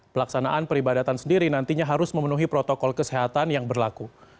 pelaksanaan peribadatan sendiri nantinya harus memenuhi protokol kesehatan yang berlaku